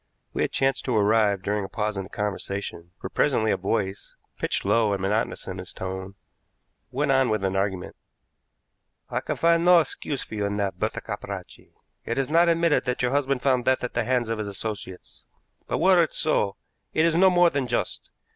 We had chanced to arrive during a pause in the conversation, for presently a voice, pitched low and monotonous in its tone, went on with an argument: "I can find no excuse for you in that, Bertha Capracci. It is not admitted that your husband found death at the hands of his associates, but, were it so, it is no more than just.